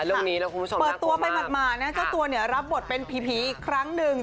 เรื่องนี้เราคุณผู้ชมน่ากลมมากเปิดตัวไปหมดมานะเจ้าตัวเนี่ยรับบทเป็นผีอีกครั้งนึง